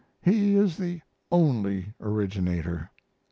He is the only originator.